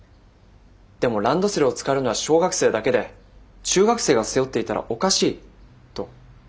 でもランドセルを使えるのは小学生だけで中学生が背負っていたらおかしいと。